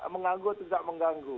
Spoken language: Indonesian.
mengganggu atau tidak mengganggu